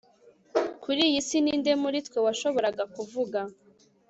kuri iyi si. ni nde muri twe washoboraga kuvuga